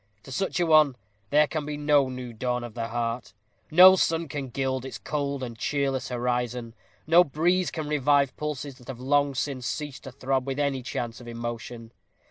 To such a one, there can be no new dawn of the heart; no sun can gild its cold and cheerless horizon; no breeze can revive pulses that have long since ceased to throb with any chance emotion.